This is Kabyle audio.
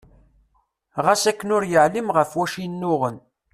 Ɣas akken ur yeɛlim ɣef wacu i nnuɣen.